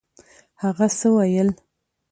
هغه څه ویل؟